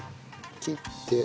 切って。